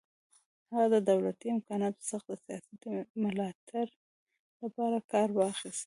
هغه د دولتي امکاناتو څخه د سیاسي ملاتړ لپاره کار واخیست.